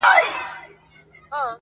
هر کله راته راسي هندوسوز په سجده کي_